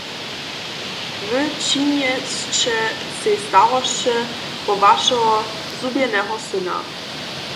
Wy činješće sej starosće wo wašeho zhubjeneho syna.